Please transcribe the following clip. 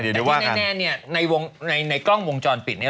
แต่ว่าแน่เนี่ยในกล้องวงจรปิดเนี่ย